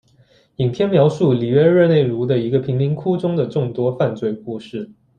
影片描述里约热内卢的一个贫民窟中的众多犯罪故事。